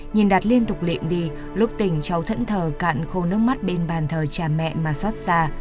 nhìn đạt liên tục liệm đi lúc tỉnh cháu thẫn thờ cạn khô nước mắt bên bàn thờ cha mẹ mà xót xa